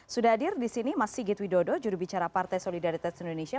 sudah hadir di sini mas sigit widodo jurubicara partai solidaritas indonesia